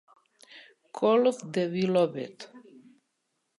'Call of the Beloved'.